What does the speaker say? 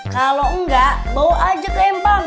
kalau enggak bawa aja ke lempang